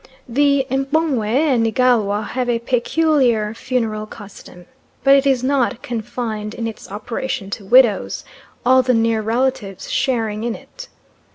The M'pongwe and Igalwa have a peculiar funeral custom, but it is not confined in its operation to widows, all the near relatives sharing in it.